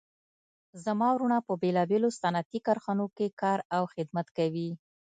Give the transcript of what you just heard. زما وروڼه په بیلابیلو صنعتي کارخانو کې کار او خدمت کوي